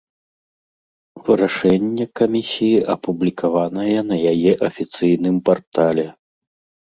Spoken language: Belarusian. Вырашэнне камісіі апублікаванае на яе афіцыйным партале.